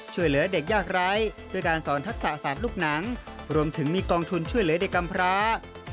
ช่วยเหลือเด็กยากไร้ด้วยการสอนทักษะศาสตร์ลูกหนังรวมถึงมีกองทุนช่วยเหลือเด็กกำพร้า